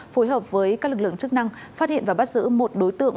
phối hợp với các lực lượng chức năng phát hiện và bắt giữ một đối tượng